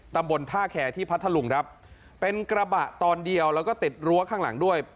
ตำบลท่าแคร์ที่พัทธลุงครับเป็นกระบะตอนเดียวแล้วก็ติดรั้วข้างหลังด้วย